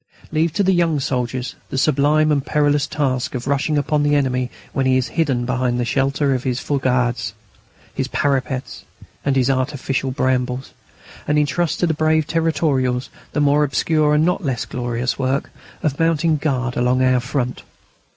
Leave to the young soldiers the sublime and perilous task of rushing upon the enemy when he is hidden behind the shelter of his fougades, his parapets, and his artificial brambles; and entrust to the brave Territorials the more obscure but not less glorious work of mounting guard along our front.